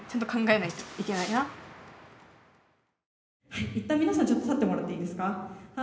はい一旦皆さんちょっと立ってもらっていいですか。